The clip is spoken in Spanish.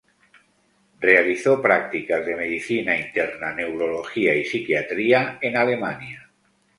Realizó prácticas de medicina interna, neurología y psiquiatría en Alemania.